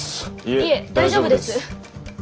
いえ大丈夫です。